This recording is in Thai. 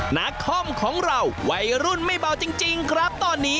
นาคอมของเราวัยรุ่นไม่เบาจริงครับตอนนี้